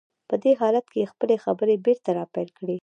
په دې حالت کې يې خپلې خبرې بېرته را پيل کړې.